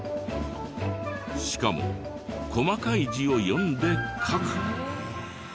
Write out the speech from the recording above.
しかも細かい字を読んで書く。